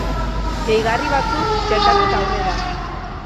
Gehigarri batzuk txertatu eta aurrera!